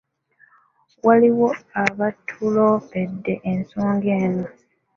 Waliwo abatuloopedde ensonga eno.